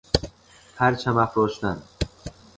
پرچم افراشتن